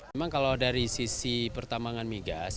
memang kalau dari sisi pertambangan migas